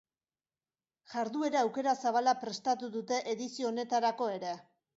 Jarduera aukera zabala prestatu dute edizio honetarako ere.